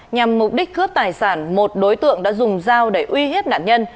nhằm mục đích cướp tài sản một đối tượng đã dùng dao để uy hiếp nạn nhân